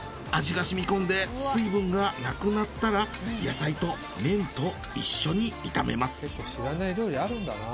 味が染み込んで水分がなくなったら野菜と麺と一緒に炒めます。